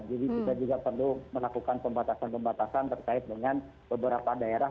jadi kita juga perlu melakukan pembatasan pembatasan terkait dengan beberapa daerah